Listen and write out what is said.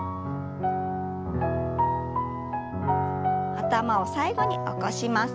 頭を最後に起こします。